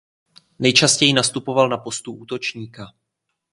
Nejčastěji nastupoval na postu útočníka.